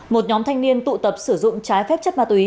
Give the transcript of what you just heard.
một nhóm thanh niên tụ tập sử dụng trái phép chất ma túy